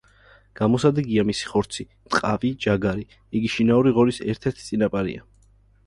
გამოსადეგია მისი ხორცი, ტყავი, ჯაგარი; იგი შინაური ღორის ერთ-ერთი წინაპარია.